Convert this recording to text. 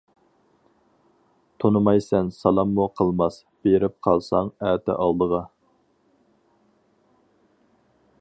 تونۇمايسەن سالاممۇ قىلماس، بېرىپ قالساڭ ئەتە ئالدىغا.